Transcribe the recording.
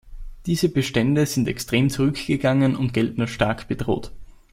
Diese Bestände sind extrem zurückgegangen und gelten als stark bedroht.